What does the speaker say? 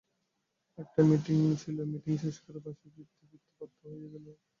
একটা মীটিং ছিল, মীটিং শেষ করে বাসায় ফিরতে-ফিরতে সন্ধ্যা হয়ে গেল।